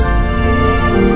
aku takut sama dia